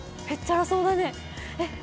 へっちゃらそうだね。